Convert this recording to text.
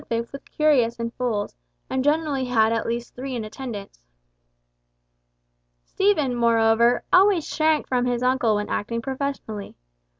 was curious in fools, and generally had at least three in attendance. Stephen, moreover, always shrank from his uncle when acting professionally.